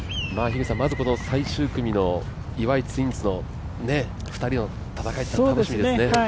まず、この最終組の岩井ツインズの２人の戦いっていうのは楽しみですね。